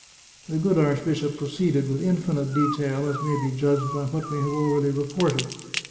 The good archbishop proceeded with infinite detail, as may be judged by what we have already reported.